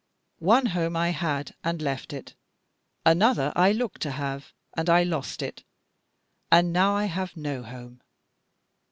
One home I had, and left it; another I looked to have, and I lost it; and now I have no home.